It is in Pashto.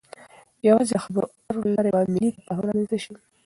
يوازې د خبرو اترو له لارې به ملی تفاهم رامنځته شي.